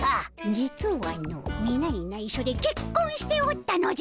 実はのみなにないしょでけっこんしておったのじゃ。